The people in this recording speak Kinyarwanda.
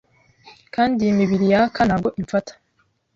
Kandi iyi mibiri yaka ntabwo imfata